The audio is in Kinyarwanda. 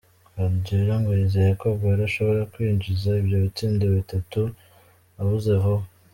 Guardiola ngo yizeye ko Aguero ashobora kwinjiza ivyo bitsindo bitatu abuze vuba.